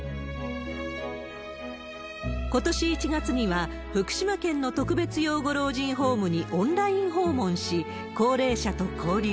ことし１月には、福島県の特別養護老人ホームにオンライン訪問し、高齢者と交流。